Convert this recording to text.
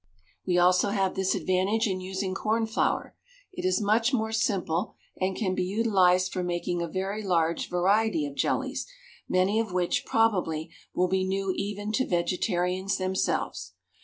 We also have this advantage in using corn flour: it is much more simple and can be utilised for making a very large variety of jellies, many of which, probably, will be new even to vegetarians themselves.